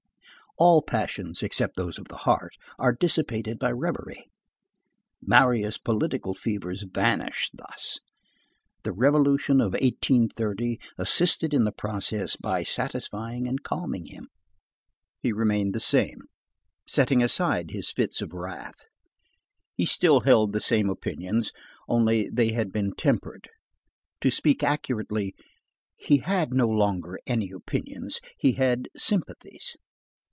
All passions except those of the heart are dissipated by reverie. Marius' political fevers vanished thus. The Revolution of 1830 assisted in the process, by satisfying and calming him. He remained the same, setting aside his fits of wrath. He still held the same opinions. Only, they had been tempered. To speak accurately, he had no longer any opinions, he had sympathies.